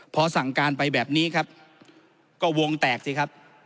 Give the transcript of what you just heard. พอสั่งการไปแบบนี้ครับก็วงแตกสิครับ